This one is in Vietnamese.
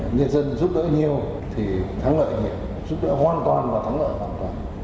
nhân dân giúp đỡ nhiều thì thắng lợi này giúp đỡ hoàn toàn và thắng lợi hoàn toàn